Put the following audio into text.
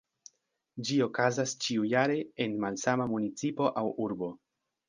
Ĝi okazas ĉiujare en malsama municipo aŭ urbo.